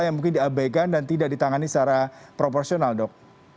yang mungkin diabaikan dan tidak ditangani secara proporsional dok